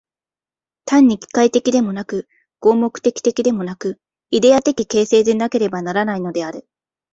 単に機械的でもなく、合目的的でもなく、イデヤ的形成でなければならないのである。